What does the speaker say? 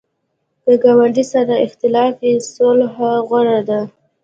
که ګاونډي سره اختلاف وي، صلح غوره ده